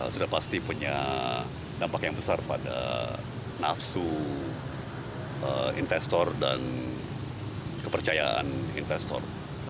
sudah pasti punya dampak yang besar pada nafsu investor dan kepercayaan investor